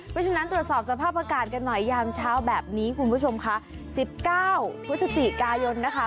เพราะฉะนั้นตรวจสอบสภาพอากาศกันหน่อยยามเช้าแบบนี้คุณผู้ชมค่ะ๑๙พฤศจิกายนนะคะ